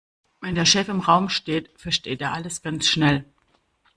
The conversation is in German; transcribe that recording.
Wenn der Chef im Raum steht, versteht er alles ganz schnell.